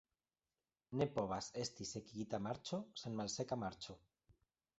Ne povas esti "sekigita marĉo" sen "malseka marĉo".